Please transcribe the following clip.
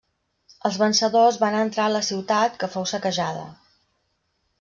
Els vencedors van entrar a la ciutat, que fou saquejada.